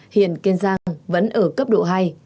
hiện kiên giang vẫn ở cấp độ hai